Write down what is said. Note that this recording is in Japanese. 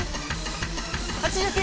８９。